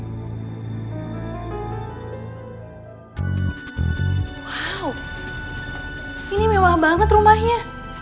wow ini mewah banget rumahnya